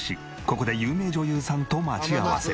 ここで有名女優さんと待ち合わせ。